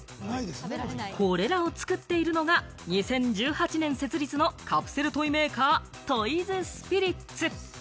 これらを作っているのが、２０１８年設立のカプセルトイメーカー、トイズスピリッツ。